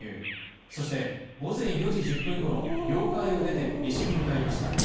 そして、午前４時１０分ごろ、領海を出て西に向かいました。